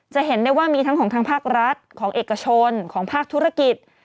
จะเห็นได้ว่ามีทั้งของทางภาครัฐของเอกชนของภาคธุรกิจ